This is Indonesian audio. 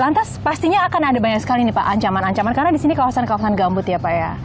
lantas pastinya akan ada banyak sekali nih pak ancaman ancaman karena di sini kawasan kawasan gambut ya pak ya